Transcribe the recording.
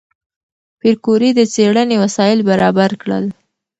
پېیر کوري د څېړنې وسایل برابر کړل.